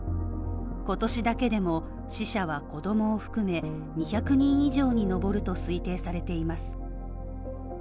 今年だけでも死者は子供を含め２００人以上に上ると推定されています。